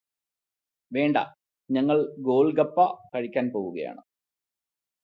വേണ്ട ഞങ്ങൾ ഗോൽഗപ്പാ കഴിക്കാൻ പോവുകയാണ്